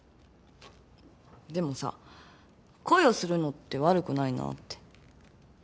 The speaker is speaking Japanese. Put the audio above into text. でもさ恋をするのって悪くないなぁって。